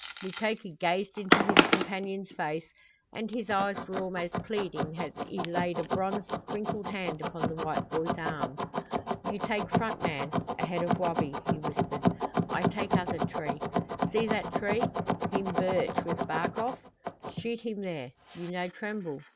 Mukoki gazed into his companion's face and his eyes were almost pleading as he laid a bronzed crinkled hand upon the white boy's arm. "You take front man ahead of Wabi," he whispered. "I take other t'ree. See that tree heem birch, with bark off? Shoot heem there. You no tremble?